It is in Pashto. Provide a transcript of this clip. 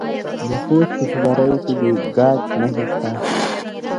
د خوست په صبریو کې د ګچ نښې شته.